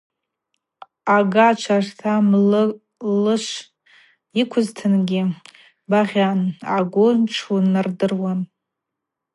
Ага ачварта млышв ыквызтынгьи – багъьан, агъвы тшунардыруан.